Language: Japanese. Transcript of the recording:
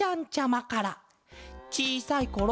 「ちいさいころ